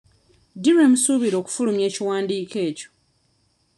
Ddi lwe musuubira okufulumya ekiwandiiko ekyo.